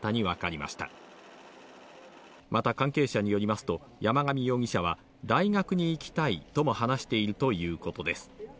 また、関係者によりますと山上容疑者は、大学に行きたいとも話しているということです。